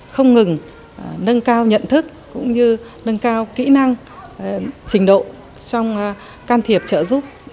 không ngừng nâng cao nhận thức cũng như nâng cao kỹ năng trình độ trong can thiệp trợ giúp